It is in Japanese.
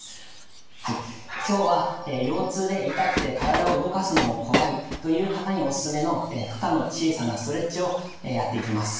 今日は腰痛で痛くて体を動かすのも怖いという方におすすめの負荷の小さなストレッチをやっていきます。